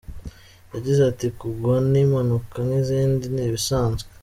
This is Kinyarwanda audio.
Yagize ati :”Kugwa ni impanuka nk’izindi, ni ibisanzwe.